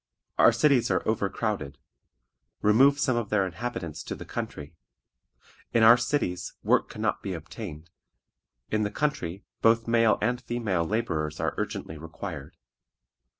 Our cities are overcrowded; remove some of their inhabitants to the country. In our cities work can not be obtained; in the country both male and female laborers are urgently required.